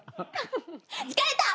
疲れた！